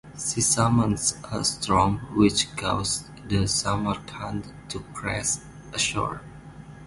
She summons a storm which causes the Samarkand to crash ashore.